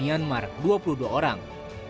di sini kita bisa mengungkapkan data dari bnsp